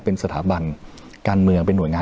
เป็นสถาบันการเมือง